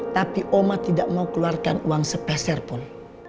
tapi oma tidak mau keluarkan uang sepeserpun